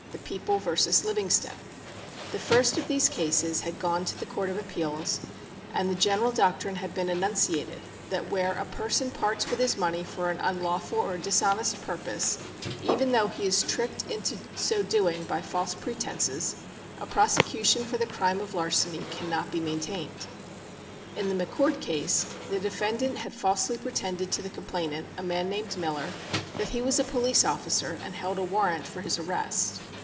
The People vs. Livingston. The first of these cases had gone to the Court of Appeals, and the general doctrine had been annunciated that where a person parts with his money for an unlawful or dishonest purpose, even though he is tricked into so doing by false pretences, a prosecution for the crime of larceny cannot be maintained. [Footnote 2: 46 New York 470.] [Footnote 3: 47 App. Div. 283.] In the McCord case, the defendant had falsely pretended to the complainant, a man named Miller, that he was a police officer and held a warrant for his arrest.